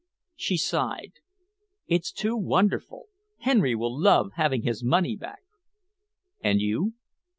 She sighed. "It's too wonderful. Henry will love having his money back." "And you?"